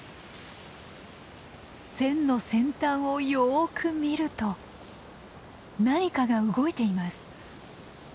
線の先端をよく見ると何かが動いています。